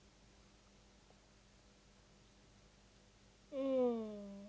うん。